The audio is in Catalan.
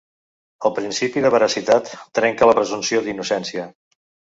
El principi de veracitat trenca la presumpció d’innocència.